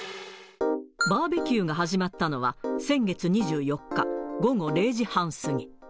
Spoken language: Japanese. バーベキューが始まったのは、先月２４日午後０時半過ぎ。